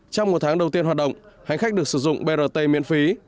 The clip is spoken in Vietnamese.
trong một tháng đầu tiên hoạt động hành khách được sử dụng brt miễn phí